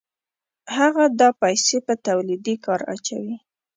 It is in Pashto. هغه دا پیسې په تولیدي کار اچوي